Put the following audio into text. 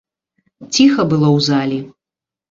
Ціха было ў залі.